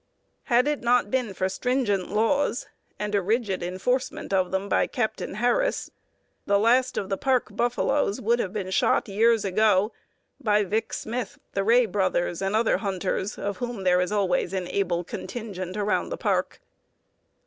Had it not been for stringent laws, and a rigid enforcement of them by Captain Harris, the last of the Park buffaloes would have been shot years ago by Vic. Smith, the Rea Brothers, and other hunters, of whom there is always an able contingent around the Park.